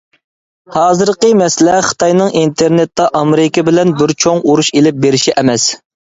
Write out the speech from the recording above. ھازىرقى مەسىلە خىتاينىڭ ئىنتېرنېتتا ئامېرىكا بىلەن بىر چوڭ ئۇرۇش ئېلىپ بېرىشى ئەمەس.